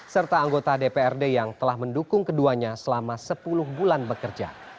serta anggota dprd yang telah mendukung keduanya selama sepuluh bulan bekerja